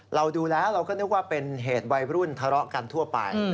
เราดูแล้วเราก็นึกว่าเป็นเหตุวัยรุ่นทะเลาะกันทั่วไป